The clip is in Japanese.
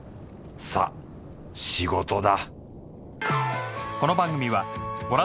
さあ仕事だ